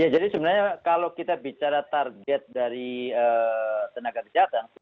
jadi sebenarnya kalau kita bicara target dari tenaga kesehatan